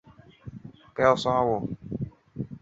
刘熙在前赵灭亡后被杀。